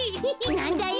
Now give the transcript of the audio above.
なんだよ。